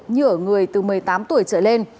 như ở người từ một mươi tám tuổi trở lên